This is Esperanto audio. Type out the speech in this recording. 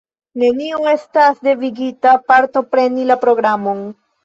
Neniu estas devigita partopreni la programon.